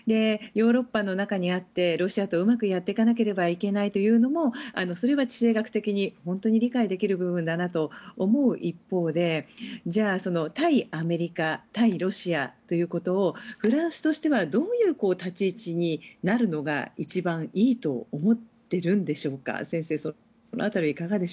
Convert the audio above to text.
ヨーロッパの中にあってロシアとうまくやっていかなければいけないというのもそれは地政学的に本当に理解できる部分だと思う一方でじゃあ、対アメリカ対ロシアということをフランスとしてはどういう立ち位置になるのが一番いいと思っているんでしょうか。